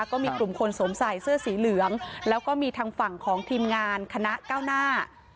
ก็มีกลุ่มคนสวมใส่เสื้อสีเหลืองแล้วก็มีทางฝั่งของทีมงานคณะเก้าหน้า